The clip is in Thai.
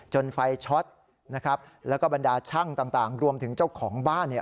จนไฟช็อตแล้วก็บรรดาชั่งต่างรวมถึงเจ้าของบ้าน